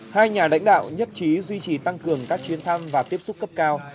hai nhà lãnh đạo nhất trí duy trì tăng cường các chuyến thăm và tiếp xúc cấp cao